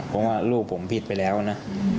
เพราะว่าลูกผมผิดไปแล้วนะ